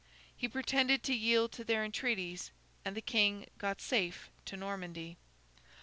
He pretended to yield to their entreaties, and the King got safe to Normandy.